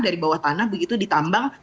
dari bawah tanah begitu ditambang